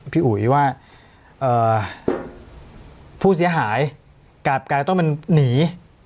พี่อุ๋ยว่าผู้เสียหายกลับกลายต้องเป็นหนี